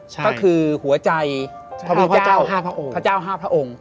ก็คือหัวใจพระพระองค์